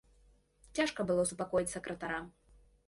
Цяжка было супакоіць сакратара.